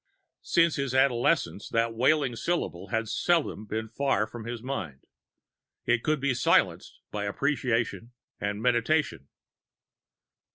_ Since his adolescence, that wailing syllable had seldom been far from his mind. It could be silenced by appreciation and meditation.